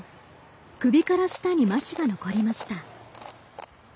首から下にまひが残りました。